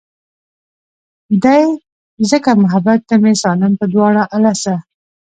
دے ځکه محبت ته مې سالم پۀ دواړه السه